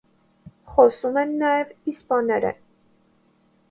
Խոսում են նաև իսպաներեն։